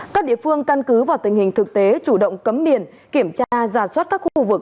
các địa phương căn cứ vào tình hình thực tế chủ động cấm biển kiểm tra giả soát các khu vực